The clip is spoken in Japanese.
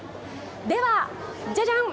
では、じゃじゃん！